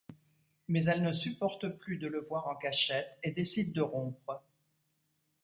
Mais elle ne supporte plus de le voir en cachette et décide de rompre.